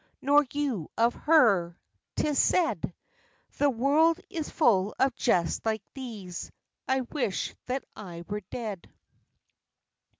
Nor you of her. 'Tis said The world is full of jests like these. I wish that I were dead.